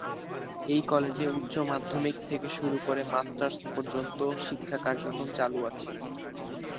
এই কলেজে উচ্চ মাধ্যমিক থেকে শুরু করে মাস্টার্স পর্যন্ত শিক্ষা কার্যক্রম চালু আছে।